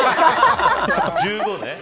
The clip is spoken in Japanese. １５ね。